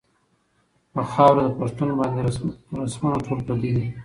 پۀ خاؤره د پښتون باندې رسمونه ټول پردي دي